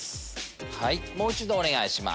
もう一度お願いします。